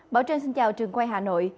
bảo trân xin chào trường quay hà nội